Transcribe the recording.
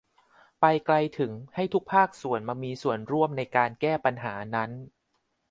ไปไกลถึงให้ทุกภาคส่วนมามีส่วนร่วมในการแก้ปัญหานั้น